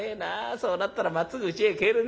そうなったらまっつぐうちへ帰れねえな。